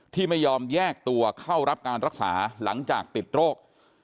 ที่ไม่ยอมแยกตัวเข้ารับการรักษาหลังจากติดโรค